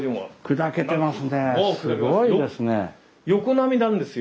すごいですね。